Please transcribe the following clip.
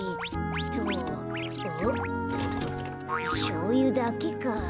しょうゆだけか。